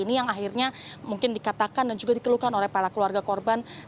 ini yang akhirnya mungkin dikatakan dan juga dikeluhkan oleh para keluarga korban